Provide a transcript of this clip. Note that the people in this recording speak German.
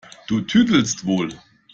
Du tüdelst wohl!